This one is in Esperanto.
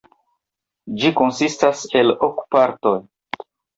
Ĝi konsistas el ok partoj.